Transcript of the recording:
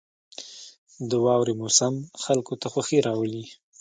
• د واورې موسم خلکو ته خوښي راولي.